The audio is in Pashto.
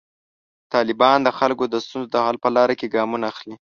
طالبان د خلکو د ستونزو د حل په لاره کې ګامونه اخلي.